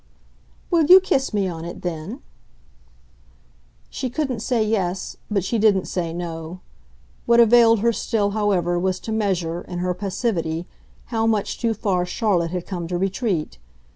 "Will you kiss me on it then?" She couldn't say yes, but she didn't say no; what availed her still, however, was to measure, in her passivity, how much too far Charlotte had come to retreat.